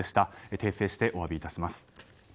訂正してお詫びいたします。